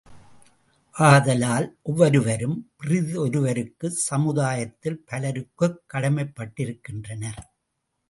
ஆதலால் ஒவ்வொருவரும் பிறிதொருவருக்குச் சமுதாயத்தில் பலருக்குக் கடமைப்ப்ட்டிருக்கின்றனர்.